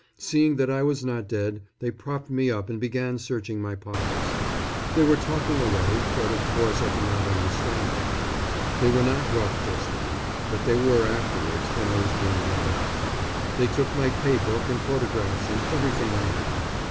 Seeing that I was not dead, they propped me up and began searching my pockets. They were talking away, but, of course, I could not understand them. They were not rough just then, but they were afterwards, when I was being led out. They took my pay book and photographs and everything I had.